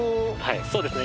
そうですね